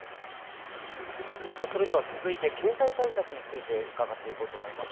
それでは続いて経済対策について伺って行こうと思います。